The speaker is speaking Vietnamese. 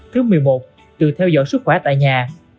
thứ mười một đừng theo dõi sức khỏe tại nhà